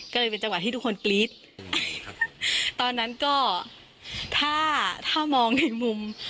ก็เลยเป็นจังหวะที่ทุกคนกรี๊ดตอนนั้นก็ถ้าถ้ามองในมุม